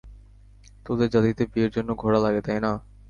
তোদের জাতিতে বিয়ের জন্য ঘোড়া লাগে, তাই না?